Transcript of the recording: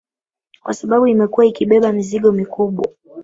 Kwa sababu imekuwa ikibeba mizigo mikubwa